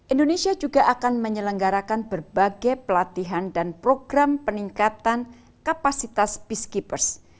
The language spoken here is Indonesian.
indonesia juga akan menyelenggarakan berbagai pelatihan dan program peningkatan kapasitas peacekeepers